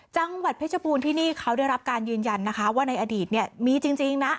จังหวัดเพชรบูรณที่นี่เขาได้รับการยืนยันนะคะว่าในอดีตเนี่ยมีจริงนะ